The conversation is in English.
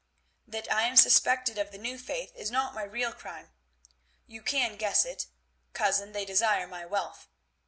That I am suspected of the New Faith is not my real crime. You can guess it. Cousin, they desire my wealth.